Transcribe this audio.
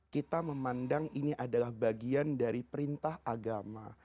kita memandang ini adalah bagian dari perintah agama